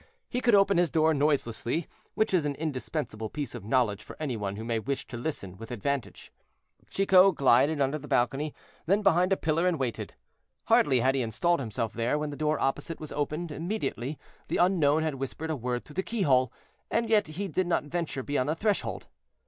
He could open his door noiselessly, which is an indispensable piece of knowledge for any one who may wish to listen with advantage. Chicot glided under the balcony, then behind a pillar, and waited. Hardly had he installed himself there, when the door opposite was opened immediately the unknown had whispered a word through the keyhole, and yet he did not venture beyond the threshold.